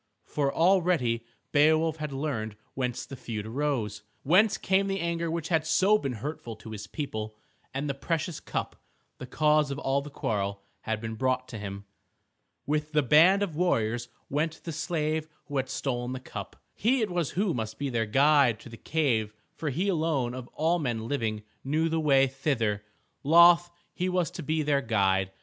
For already Beowulf had learned whence the feud arose, whence came the anger which had been so hurtful to his people. And the precious cup, the cause of all the quarrel, had been brought to him. With the band of warriors went the slave who had stolen the cup. He it was who must be their guide to the cave, for he alone of all men living knew the way thither. Loth he was to be their guide.